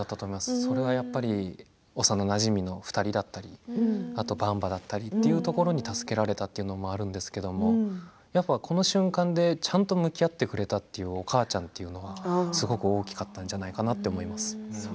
それは幼なじみの２人だったりあと、ばんばだったりというところに助けられたというのも、あるんですけどやっぱりこの瞬間でちゃんと向き合ってくれたというお母ちゃんというのはすごく大きかったんじゃないかなと思います。